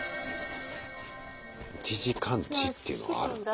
１時間値っていうのがあるんだ。